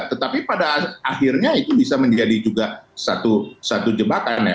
tetapi pada akhirnya itu bisa menjadi juga satu jebakan ya